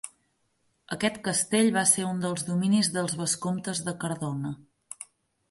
Aquest castell va ser un dels dominis dels vescomtes de Cardona.